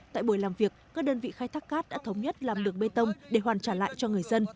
tại buổi làm việc các đơn vị khai thác cát đã thống nhất làm đường bê tông để hoàn trả lại cho người dân